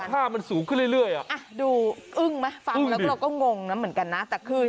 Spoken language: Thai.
มันราคาสูงขึ้นเรื่อย